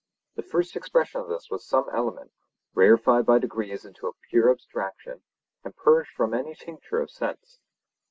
The first expression of this was some element, rarefied by degrees into a pure abstraction, and purged from any tincture of sense.